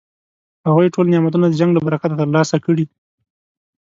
هغوی ټول نعمتونه د جنګ له برکته ترلاسه کړي.